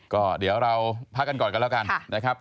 ก็เดี๋ยวเราพักกันก่อนกันแล้วกันนะครับ